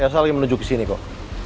ya saya lagi menuju kesini kok